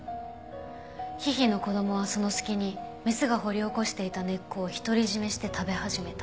ヒヒの子供はその隙にメスが掘り起こしていた根っこを独り占めして食べ始めた。